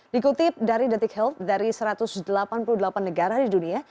dikutip dari detik health dari satu ratus delapan puluh delapan negara di dunia